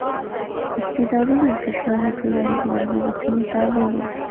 د استعدادونو انکشاف د ټولنیزو محدودیتونو تابع دی.